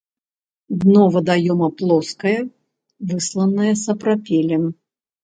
Дно вадаёма плоскае, высланае сапрапелем.